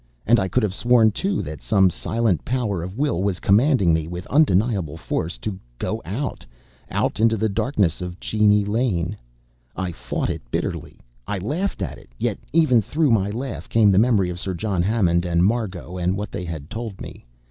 And I could have sworn, too, that some silent power of will was commanding me, with undeniable force, to go out out into the darkness of Cheney Lane. I fought it bitterly. I laughed at it, yet even through my laugh came the memory of Sir John Harmon and Margot, and what they had told me.